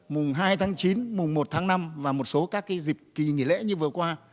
mùng hai tháng chín mùng một tháng năm và một số các dịp kỳ nghỉ lễ như vừa qua